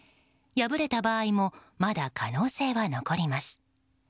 敗れた場合もまだ可能性は残ります。